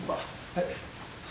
はい。